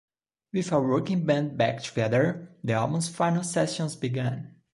With a working band back together, the album's final sessions began.